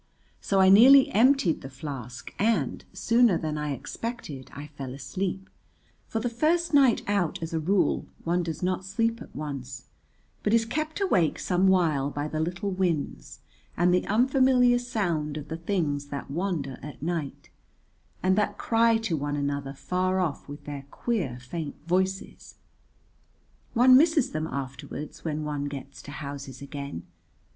So I nearly emptied the flask; and, sooner than I expected, I fell asleep, for the first night out as a rule one does not sleep at once but is kept awake some while by the little winds and the unfamiliar sound of the things that wander at night, and that cry to one another far off with their queer, faint voices; one misses them afterwards when one gets to houses again.